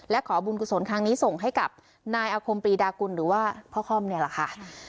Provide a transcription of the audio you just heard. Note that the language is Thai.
และขอบุญกุศลครั้งนี้ส่งให้กับนายอาคมปรีดากุลหรือว่าพ่อค่อมเนี่ยแหละค่ะ